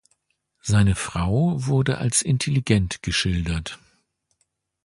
Seine Frau wurde als intelligent geschildert.